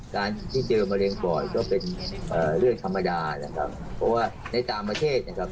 การที่เจอมะเร็งปอดก็เป็นเรื่องธรรมดานะครับเพราะว่าในต่างประเทศนะครับ